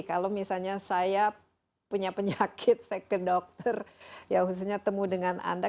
kalau misalnya saya punya penyakit saya ke dokter ya khususnya temu dengan anda